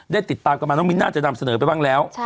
ได้ติดตามกันมาน้องมิ้นน่าจะนำเสนอไปบ้างแล้ว